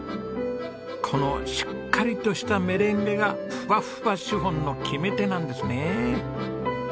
このしっかりとしたメレンゲがふわふわシフォンの決め手なんですね。